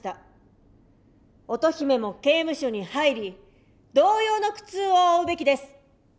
乙姫も刑務所に入り同様の苦痛を負うべきです。